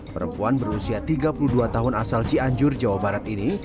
perempuan berusia tiga puluh dua tahun asal cianjur jawa barat ini